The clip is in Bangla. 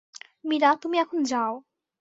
মীরা, তুমি এখন যাও।